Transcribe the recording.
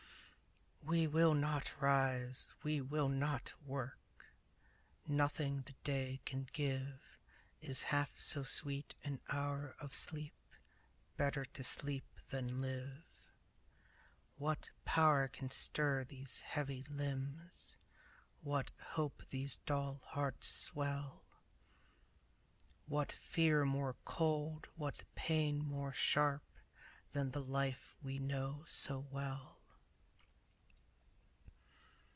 We will not rise! We will not work! Nothing the day can give Is half so sweet an hour of sleep; Better to sleep than live! What power can stir these heavy limbs? What hope these dull hearts swell? What fear more cold, what pain more sharp Than the life we know so well?...